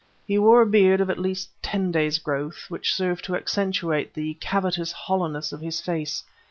He wore a beard of at least ten days' growth, which served to accentuate the cavitous hollowness of his face.